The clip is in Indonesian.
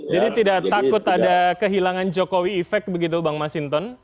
jadi tidak takut ada kehilangan jokowi efek begitu bang masinton